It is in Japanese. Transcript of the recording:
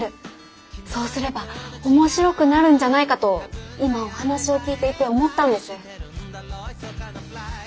そうすれば面白くなるんじゃないかと今お話を聞いていて思ったんです。